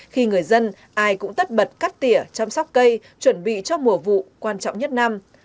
khi người dân ai cũng tất bật cắt tỉa chăm sóc cây chuẩn bị cho mùa vụ quan trọng nhất năm